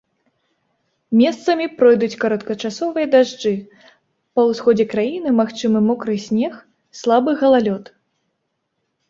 Месцамі пройдуць кароткачасовыя дажджы, па ўсходзе краіны магчымы мокры снег, слабы галалёд.